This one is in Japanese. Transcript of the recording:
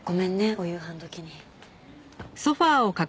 お夕飯時に。